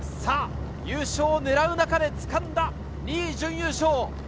優勝を狙う中で掴んだ２位、準優勝。